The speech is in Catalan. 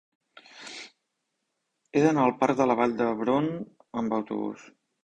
He d'anar al parc de la Vall d'Hebron amb autobús.